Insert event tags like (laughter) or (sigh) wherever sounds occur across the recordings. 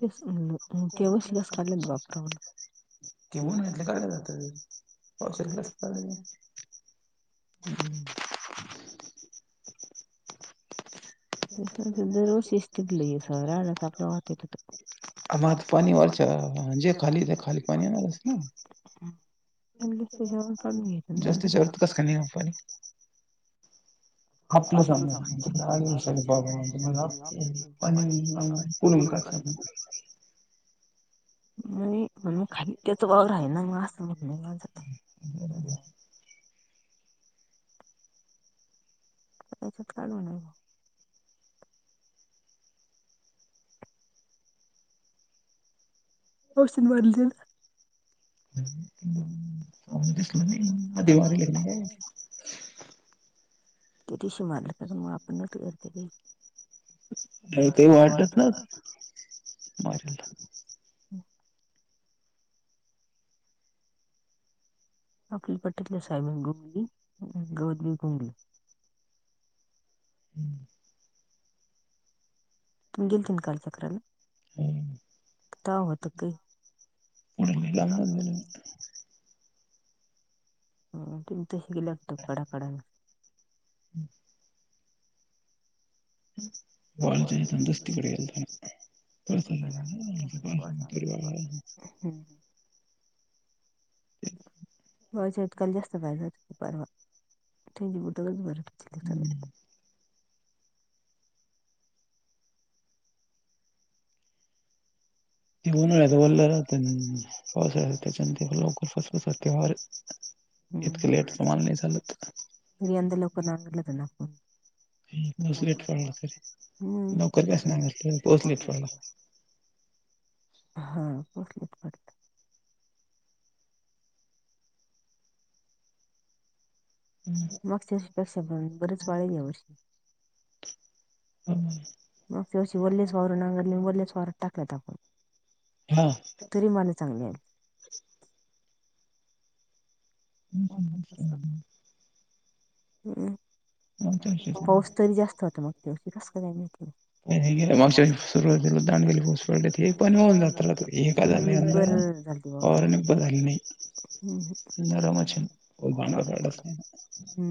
केस (unintelligible) उशीलाच काढलेलं ते उन्हाळ्यातल काडक जात पावसाळ्यात (unintelligible) हम्म. दर वर्षीच तिथली रानात आपल्या वाहत येत. आ म आता पाणी वरच्या जे खाली ए खाली पाणी येणारच ना. जास्त (unintelligible) कस काय नाय (unintelligible) पाणी आपलं समोर तिकड आळी आय सगळी बाबरांची (unintelligible) (unintelligible) म्हणी म्हणी खाली त्याचा वावर हाय ना म असं म्हणणं हाय माझं. (inaudible) त्याच्यात काय म्हणाय औषद मारली त्यानं. (inaudible) (inaudible) आ ती वरीले (unintelligible) त्या दिशी मारल त्याज्यामुळ आपण (unintelligible) नाय ते वाटत न्हवत मारील. (inaudible) आपल्या पटत नाय सायबन ग्रुप मदी (unintelligible) (unintelligible) (unintelligible) (unintelligible) (unintelligible) हम्म (unintelligible) हम्म (unintelligible) इतकं लेटच माल नाही चालत (unintelligible) (unintelligible) हा पोहोचलेत (unintelligible) हम्म मग ते अपेक्षा (unintelligible) बरेच वाळेल या वर्षी हम्म मागच्या वर्षी वल्लीच वावर नांगरलं ओल्याच वावरात टाकलं आपण हा तरी माल चांगले आले हम्म पाऊस तरी जास्त होता मागच्या वर्षी कस काय (unintelligible) (unintelligible) (unintelligible) नाही हम्म हम्म (unintelligible)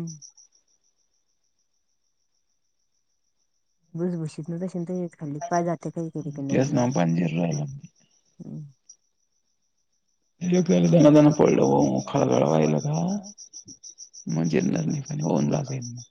बुसबूशीत न तसे येत खाली पाय जाते कधी कधी तेच ना पंजर (unintelligible) हम् एक दनादाण पडलं हो खळगळ वाहिला का म्हणजे (unintelligible)